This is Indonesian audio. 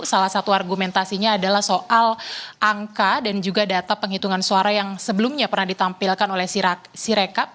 salah satu argumentasinya adalah soal angka dan juga data penghitungan suara yang sebelumnya pernah ditampilkan oleh sirekap